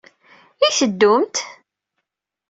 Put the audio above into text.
I teddumt?